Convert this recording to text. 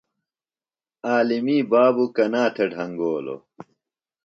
عالمی بابوۡ کنا تھےۡ ڈھنگولوۡ؟